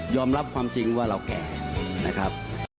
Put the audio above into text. รับความจริงว่าเราแก่นะครับ